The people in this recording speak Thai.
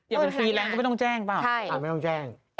อยากเป็นฟรีแรงก็ไม่ต้องแจ้งเปล่า